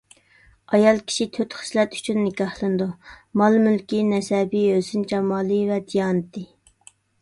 ئايال كىشى تۆت خىسلەت ئۈچۈن نىكاھلىنىدۇ: مال-مۈلكى، نەسەبى، ھۆسن-جامالى ۋە دىيانىتى.